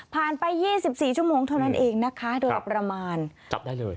ไป๒๔ชั่วโมงเท่านั้นเองนะคะโดยประมาณจับได้เลย